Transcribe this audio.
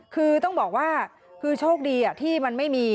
คือต้องบอกว่าคือโชคดีที่มันไม่มี